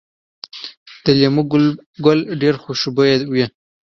د لیمو ګل ډیر خوشبويه وي؟